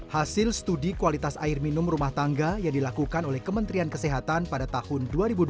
hasil studi kualitas air minum rumah tangga yang dilakukan oleh kementerian kesehatan pada tahun dua ribu dua puluh